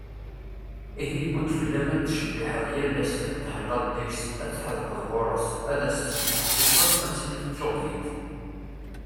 Ihi yewwi-d fell-am ad tettcebbiḥeḍ yal ass, ad teṭṭhellaḍ deg-s, ad tḥedqeḍ ɣuṛ-s, ad as-tesmeḥsiseḍ, ad tiliḍ d tuɣdimt.